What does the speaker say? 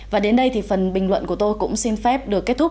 và đến đây thì phần bình luận của tôi cũng xin phép được kết thúc